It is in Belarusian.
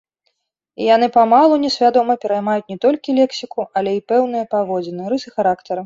І яны памалу несвядома пераймаюць не толькі лексіку, але і пэўныя паводзіны, рысы характару.